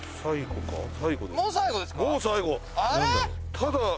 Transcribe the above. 「ただ」